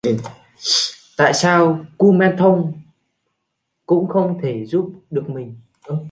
Tại sao kumanthong cũng không thể giúp được mình